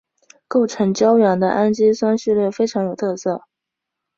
构成胶原的氨基酸序列非常有特色。